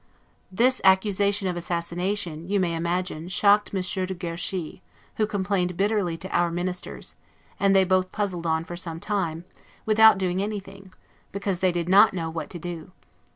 This accusation of assassination, you may imagine, shocked Monsieur de Guerchy, who complained bitterly to our Ministers; and they both puzzled on for some time, without doing anything, because they did not know what to do.